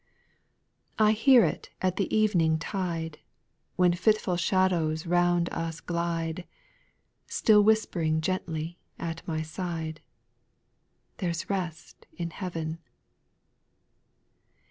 I hear it at the evening tide, When fitful shadows round us glide, Still whispering gently at my side, " There 's rest in heaven."